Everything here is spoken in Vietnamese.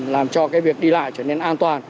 làm cho cái việc đi lại trở nên an toàn